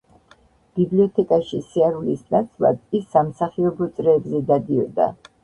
ბიბლიოთეკაში სიარულის ნაცვლად, ის სამსახიობო წრეებზე დადიოდა.